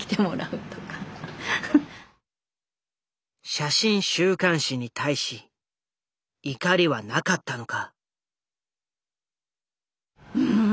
写真週刊誌に対し怒りはなかったのか？